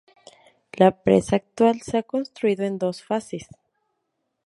La presa actual se ha construido en dos fases.